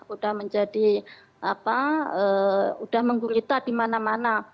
udah menjadi apa udah menggulita di mana mana